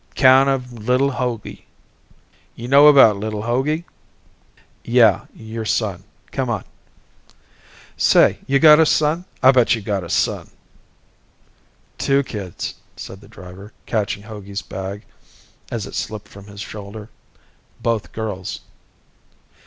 'Count of li'l Hogey. You know about li'l Hogey?" "Yeah. Your son. Come on." "Say, you gotta son? I bet you gotta son." "Two kids," said the driver, catching Hogey's bag as it slipped from his shoulder. "Both girls."